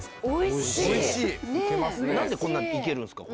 何でこんないけるんですか